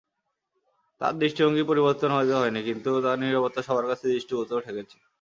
তাঁর দৃষ্টিভঙ্গির পরিবর্তন হয়তো হয়নি, কিন্তু তাঁর নীরবতা সবার কাছেই দৃষ্টিকটু ঠেকেছে।